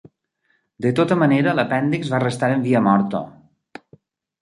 De tota manera l'apèndix va restar en via morta.